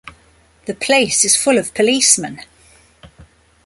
The place is full of policemen.